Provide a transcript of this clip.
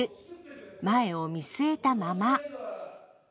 前を見据えたまま。